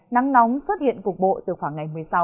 nắng nóng xuất hiện cục bộ từ khoảng ngày một mươi sáu